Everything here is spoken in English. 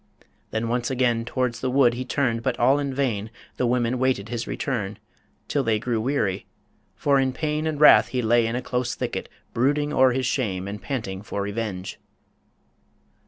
Then once again Towards the wood he turned, but all in vain The women waited his return, till they Grey weary.. for in pain and wrath he lay In a close thicket, brooding o'er his shame, And panting for revenge.